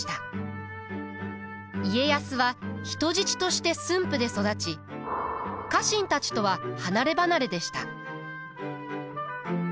家康は人質として駿府で育ち家臣たちとは離れ離れでした。